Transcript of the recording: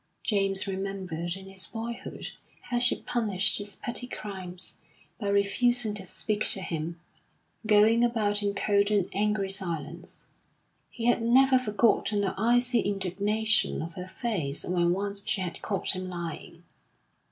James remembered in his boyhood how she punished his petty crimes by refusing to speak to him, going about in cold and angry silence; he had never forgotten the icy indignation of her face when once she had caught him lying.